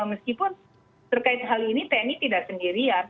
meskipun terkait hal ini tni tidak sendirian